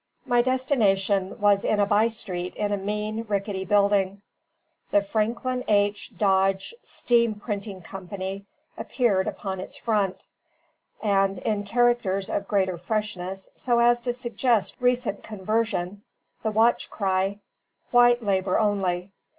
My destination was in a by street in a mean, rickety building; "The Franklin H. Dodge Steam Printing Company" appeared upon its front, and in characters of greater freshness, so as to suggest recent conversion, the watch cry, "White Labour Only."